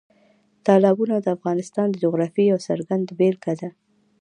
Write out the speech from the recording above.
تالابونه د افغانستان د جغرافیې یوه څرګنده بېلګه ده.